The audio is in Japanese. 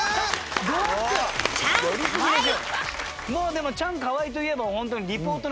でもチャンカワイといえばホントに。